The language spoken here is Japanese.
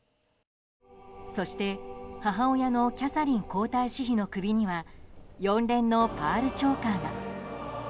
そして母親のキャサリン皇太子妃の首には４連のパールチョーカーが。